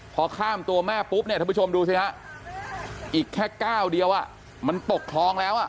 พอข้ามตัวแม่ปุ๊บเนี่ยท่านผู้ชมดูสิฮะอีกแค่ก้าวเดียวมันตกคลองแล้ว